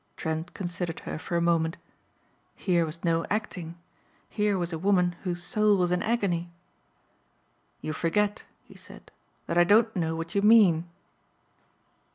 Trent considered her for a moment. Here was no acting. Here was a woman whose soul was in agony. "You forget," he said, "that I don't know what you mean."